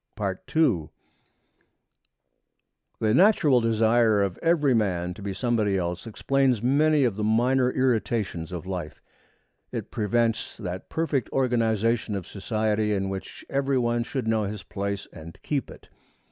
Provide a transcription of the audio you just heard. II The natural desire of every man to be somebody else explains many of the minor irritations of life. It prevents that perfect organization of society in which every one should know his place and keep it.